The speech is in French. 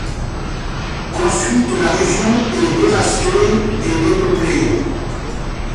Ensuite, la région est dévastée et dépeuplée.